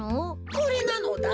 これなのだ。